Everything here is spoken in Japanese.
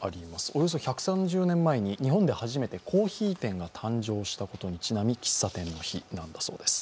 およそ１３０年前に日本で初めてコーヒー店が誕生したことにちなみ喫茶店の日なんだそうです。